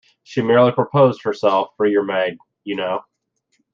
She merely proposed herself for your maid, you know.